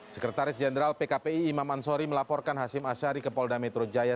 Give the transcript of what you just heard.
sekretaris jenderal pkpi imam ansori melaporkan hashim ashari ke polda metro jaya